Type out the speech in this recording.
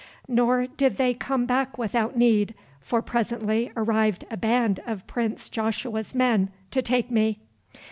Nor did they come back without need, for presently arrived a band of Prince Joshua's men to take me.